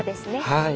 はい。